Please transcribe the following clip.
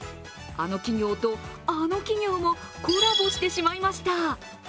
あの企業と、あの企業もコラボしてしまいました。